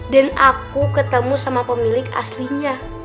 dan aku ketemu sama pemilik aslinya